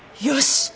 よし！